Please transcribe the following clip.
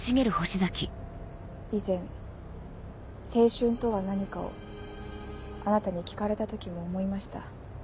以前青春とは何かをあなたに聞かれた時も思いました。